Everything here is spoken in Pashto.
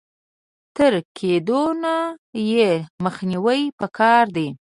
تر کېدونه يې مخنيوی په کار دی.